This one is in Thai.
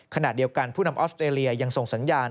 ขณะเดียวกันผู้นำออสเตรเลียยังส่งสัญญาณ